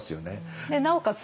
なおかつ